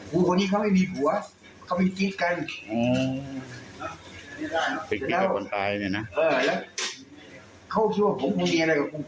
ครูคนนี้เขาไม่มีหัวเขาไม่กินกัน